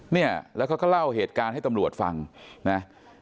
เนี่ยแล้วเขาก็เล่าเหตุการณ์ให้ตำรวจฟังนะ